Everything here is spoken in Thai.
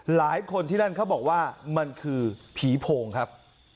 หลายคนที่นั่นเขาบอกว่ามันคือผีโพงครับ